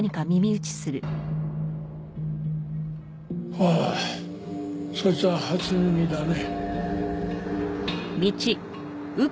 ほうそいつは初耳だね。